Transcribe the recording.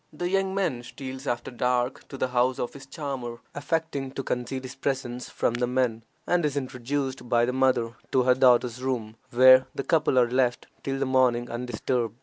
The young man steals after dark to the house of his charmer, affecting to conceal his presence from the men, and is introduced by the mother to her daughter's room, where the couple are left till the morning undisturbed.